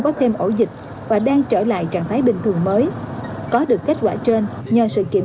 có thêm ổ dịch và đang trở lại trạng thái bình thường mới có được kết quả trên nhờ sự kiểm